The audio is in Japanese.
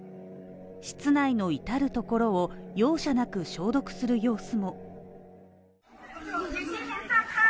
室内の至るところを容赦なく消毒する様子も。